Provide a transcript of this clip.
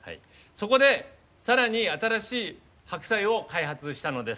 そこでさらに新しい白菜を開発したのです。